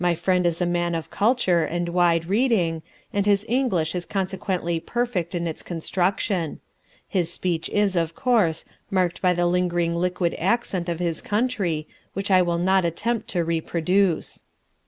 My friend is a man of culture and wide reading, and his English is consequently perfect in its construction; his speech is, of course, marked by the lingering liquid accent of his country which I will not attempt to reproduce.